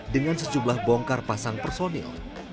dengan sejumlah bongkar pasang personil